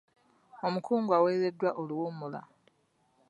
Omukungu aweereddwa oluwummula.